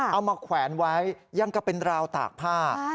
เอามาแขวนไว้ยังก็เป็นราวตากผ้า